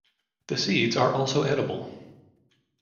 The seeds are also edible.